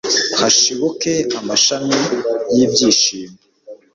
hashibuke amashami y'iby'ishimo